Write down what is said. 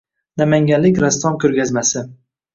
Namanganlik rassom ko‘rgazmasi